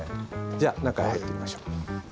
中へ入ってみましょう。